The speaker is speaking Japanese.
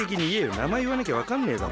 なまえいわなきゃわかんねえだろ。